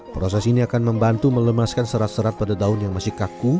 proses ini akan membantu melemaskan serat serat pada daun yang masih kaku